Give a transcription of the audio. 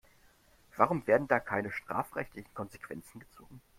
Warum werden da keine strafrechtlichen Konsequenzen gezogen?